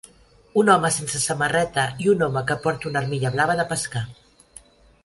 Un home sense samarreta i un home que porta una armilla blava de pescar.